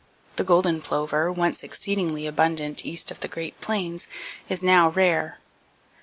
The golden plover, once exceedingly abundant east of the Great Plains, is now rare.